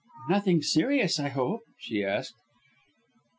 "Nothing serious I hope?" she asked.